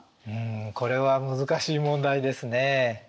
これは難しい問題ですね。